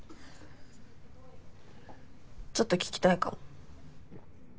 ちょっと聞きたいかも。